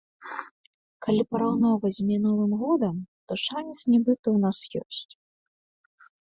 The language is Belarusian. Калі параўноўваць з мінулым годам, то шанец, нібыта, у нас ёсць.